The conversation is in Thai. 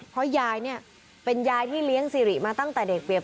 เพราะยายเนี่ยเป็นยายที่เลี้ยงสิริมาตั้งแต่เด็กเปีย